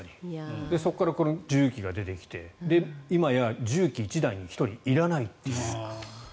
そこから重機が出てきて今や、重機１台に１人いらないという。